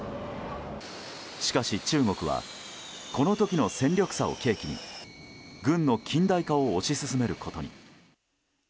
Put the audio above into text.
しかし、中国はこの時の戦力差を契機に軍の近代化を推し進めることに。